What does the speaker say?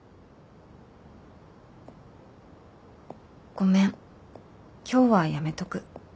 「ごめん今日はやめとく」